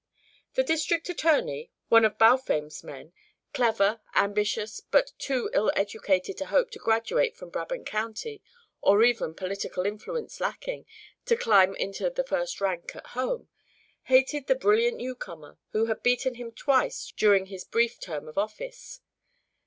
The district attorney, one of Balfame's men, clever, ambitious, but too ill educated to hope to graduate from Brabant County, or even, political influence lacking, to climb into the first rank at home, hated the brilliant newcomer who had beaten him twice during his brief term of office.